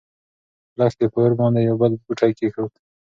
لښتې په اور باندې يو بل بوټی کېښود.